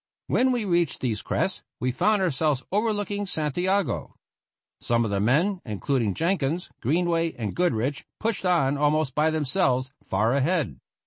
When we reached these crests we found ourselves overlooking Santiago. Some of the men, including Jenkins, Greenway, and Goodrich, pushed on almost by themselves far ahead.